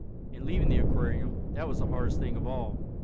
And leaving the aquarium, that was the hardest thing of all.